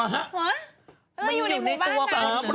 เหรออยู่ในหมู่บ้านกัน